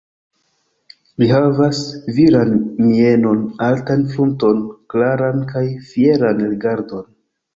Li havas viran mienon, altan frunton, klaran kaj fieran rigardon.